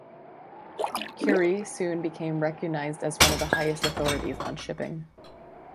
Currie soon became recognised as one of the highest authorities on shipping.